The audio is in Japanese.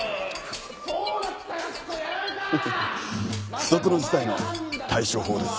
不測の事態の対処法です。